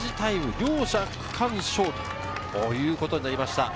両者区間賞ということになりました。